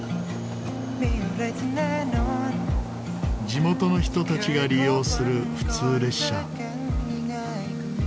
地元の人たちが利用する普通列車。